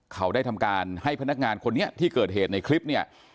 เขาได้ทำการให้พนักงานคนนี้ที่เกิดเหตุในคลิปเนี่ย